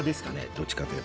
どっちかといえば。